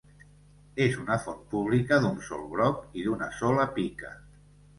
És una font pública d'un sol broc i d'una sola pica.